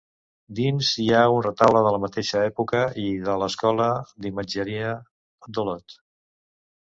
Dins hi ha un retaule de la mateixa època i de l'escola d'imatgeria d'Olot.